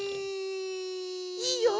いいよ